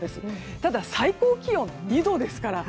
ただ、最高気温は２度ですから。